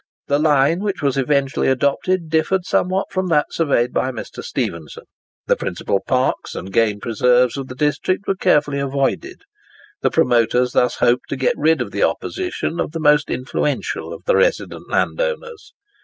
The line which was eventually adopted differed somewhat from that surveyed by Mr. Stephenson. The principal parks and game preserves of the district were carefully avoided. The promoters thus hoped to get rid of the opposition of the most influential of the resident landowners.